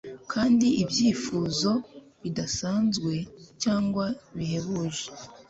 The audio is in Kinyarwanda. Kandi ibyifuzo bidasanzwe cyangwa bihebuje